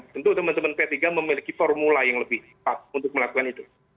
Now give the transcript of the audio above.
tentu teman teman p tiga memiliki formula yang lebih pas untuk melakukan itu